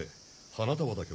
花束だけ？